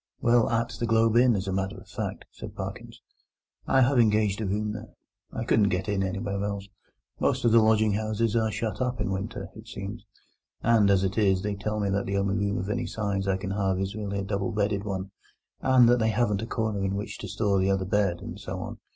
"Well, at the Globe Inn, as a matter of fact," said Parkins; "I have engaged a room there. I couldn't get in anywhere else; most of the lodging houses are shut up in winter, it seems; and, as it is, they tell me that the only room of any size I can have is really a double bedded one, and that they haven't a corner in which to store the other bed, and so on.